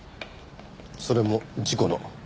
それも事故の。